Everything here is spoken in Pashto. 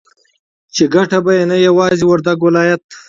چې گټه به يې نه يوازې وردگ ولايت